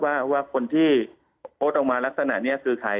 ว่าคนที่โพสต์ออกมาลักษณะนี้คือใคร